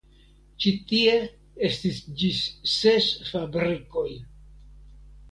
Ĉi tie estis ĝis ses fabrikoj.